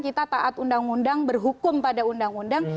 kita taat undang undang berhukum pada undang undang